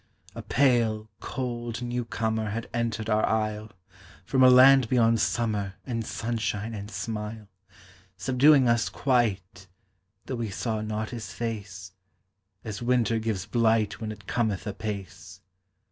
A pale, cold, new comer Had entered our isle, From a land beyond summer And sunshine and smile, Subduing us quite, Though we saw not his face, As winter gives blight When it cometh apace.